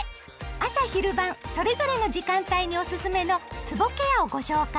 朝・昼・晩それぞれの時間帯におすすめのつぼケアをご紹介。